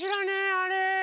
あれ？